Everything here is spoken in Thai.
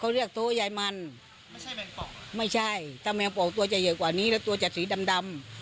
เขาเรียกโต๊ยายมันไม่ใช่แมงปอกไม่ใช่ถ้าแมวปอกตัวจะเยอะกว่านี้แล้วตัวจะสีดำดำ